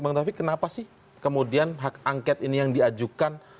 bang taufik kenapa sih kemudian hak angket ini yang diajukan